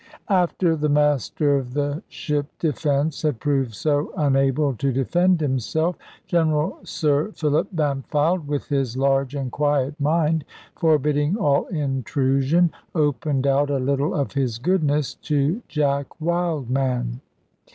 After the master of the ship Defence had proved so unable to defend himself, General Sir Philip Bampfylde, with his large and quiet mind forbidding all intrusion, opened out a little of his goodness to Jack Wildman.